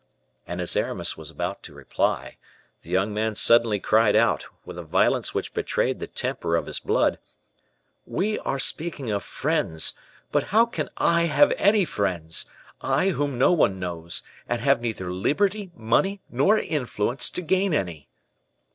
And as Aramis was about to reply, the young man suddenly cried out, with a violence which betrayed the temper of his blood, "We are speaking of friends; but how can I have any friends I, whom no one knows; and have neither liberty, money, nor influence, to gain any?"